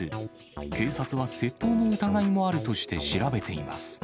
警察は窃盗の疑いもあるとして調べています。